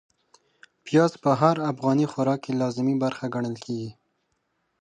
پياز په هر افغاني خوراک کې لازمي برخه ګڼل کېږي.